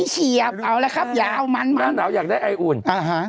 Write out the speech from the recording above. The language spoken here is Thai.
เฉียบเอาละครับอย่าเอามันมาหนาวอยากได้ไออุ่นอ่าฮะ